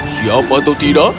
siapa atau tidak